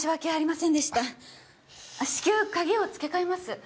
至急鍵を付け替えます。